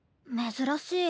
珍しい。